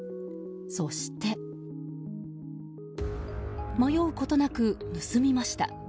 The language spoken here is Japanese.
そして、迷うことなく盗みました。